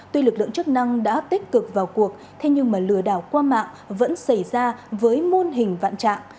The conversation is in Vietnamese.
tuy lực lượng chức năng đã tích cực vào cuộc thế nhưng mà lừa đảo qua mạng vẫn xảy ra với môn hình vạn trạng